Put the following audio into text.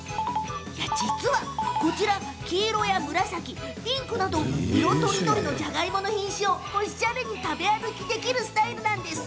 実は、こちら黄色や紫、ピンクなど色とりどりのじゃがいもの品種をおしゃれに食べ歩きできるスタイルなんです。